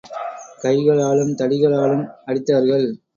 கைகளாலும் தடிகளாலும் அடித்தார்கள்.